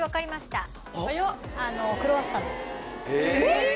えっ！？